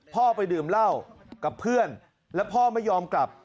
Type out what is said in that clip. พ่อไปดื่มเหล้ากับเพื่อนแล้วพ่อไม่ยอมกลับ